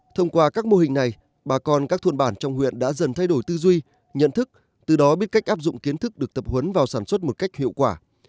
thông qua các mô hình này bà con các thôn bản trong huyện đã dần thay đổi tư duy nhận thức từ đó biết cách áp dụng kiến thức được tập huấn vào sản xuất một cách hiệu quả